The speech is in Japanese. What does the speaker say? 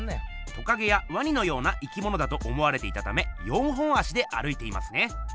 トカゲやワニのような生きものだと思われていたため４本足で歩いていますね。